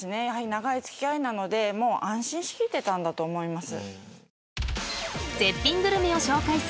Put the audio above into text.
長い付き合いなので安心しきっていたんだと思います。